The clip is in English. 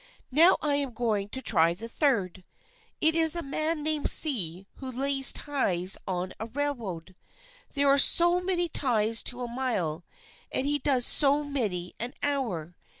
Now I am going to try the third. It is a man named C who lays ties on a railroad. There are so many ties to a mile, and he does so many an hour.